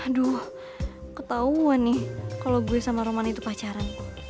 aduh ketahuan nih kalau gue sama roman itu pacaran